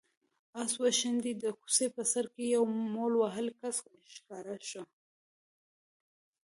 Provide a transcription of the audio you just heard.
آس وشڼېد، د کوڅې په سر کې يو مول وهلی کس ښکاره شو.